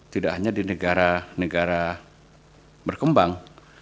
tidak hanya di negara negara berkembang